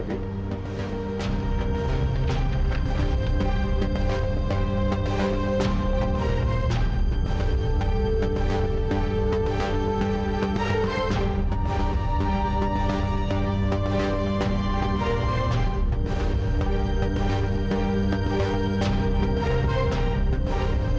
sayang gak tau tuan